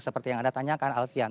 seperti yang anda tanyakan alfian